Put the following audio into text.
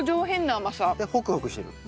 でホクホクしてる？